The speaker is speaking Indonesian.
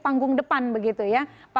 panggung depan begitu ya